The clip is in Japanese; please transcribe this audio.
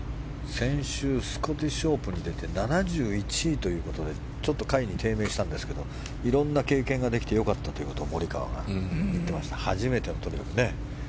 先週スコティッシュオープンに出て７１位ということで下位に低迷したんですけどいろんな経験ができて良かったとモリカワが言っていました。